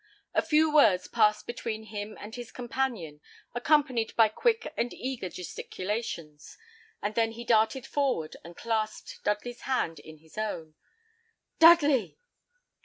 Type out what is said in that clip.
A few words passed between him and his companion, accompanied by quick and eager gesticulations, and then he darted forward and clasped Dudley's hand in his own. "Dudley!"